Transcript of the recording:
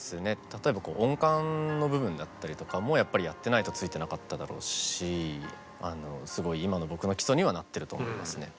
例えば音感の部分だったりとかもやってないとついてなかっただろうしすごい今の僕の基礎にはなってると思いますね。